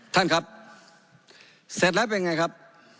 ท่านครับเสร็จแล้วเป็นไงครับ